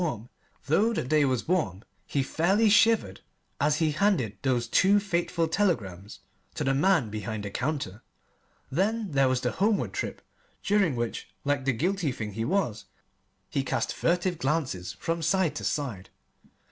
Though the day was warm he fairly shivered as he handed those two fateful telegrams to the man behind the counter. Then there was the homeward trip, during which, like the guilty thing he was, he cast furtive glances from side to side.